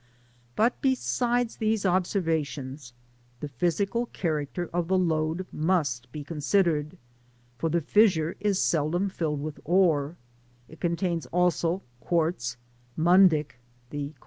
But, besides these observations, the physical cha racter of the lode must be considered ; for the fis sure is seldom filled with ore — it contains also quartz, mundic,'*^ &c.